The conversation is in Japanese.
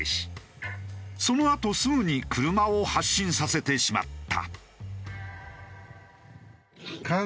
そのあとすぐに車を発進させてしまった。